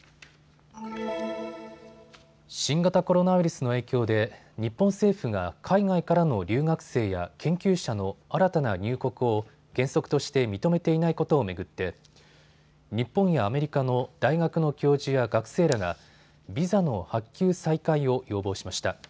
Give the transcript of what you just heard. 新型コロナウイルスの影響で日本政府が海外からの留学生や研究者の新たな入国を原則として認めていないことを巡って日本やアメリカの大学の教授や学生らがビザの発給再開を要望しました。